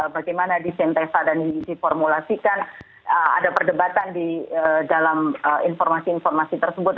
bagaimana disentesa dan diformulasikan ada perdebatan di dalam informasi informasi tersebut